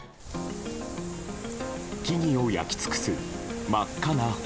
木々を焼き尽くす真っ赤な炎。